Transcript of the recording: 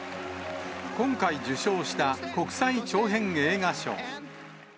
今回、受賞した国際長編映画賞。